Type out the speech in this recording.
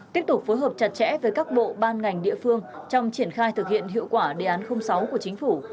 tiếp tục phối hợp chặt chẽ với các bộ ban ngành địa phương trong triển khai thực hiện hiệu quả đề án sáu của chính phủ